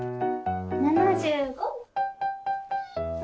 ７５。